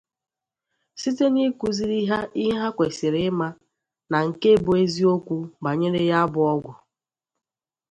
site n'ịkụziri ha ihe ha kwesiri ịma na nke bụ eziokwu banyere ya bụ ọgwụ.